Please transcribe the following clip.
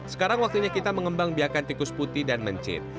sekarang waktunya kita mengembang biakan tikus putih dan mencit